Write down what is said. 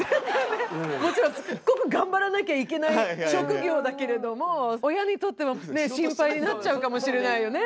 もちろんすっごく頑張らなきゃいけない職業だけれども親にとっては心配になっちゃうかもしれないよね。